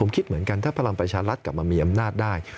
คิดเหมือนกันถ้าพลังประชารัฐกลับมามีอำนาจได้